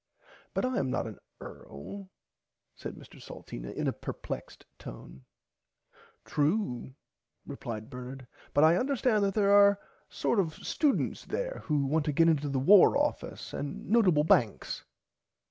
But I am not an Earl said Mr Salteena in a purplexed tone. [Pg 44] True replied Bernard but I understand there are sort of students there who want to get into the War Office and notable banks.